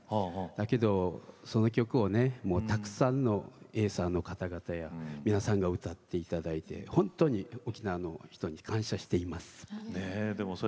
だけど、その曲をたくさんのエイサーの方々や皆さんに歌っていただいて本当に沖縄の人に感謝しています。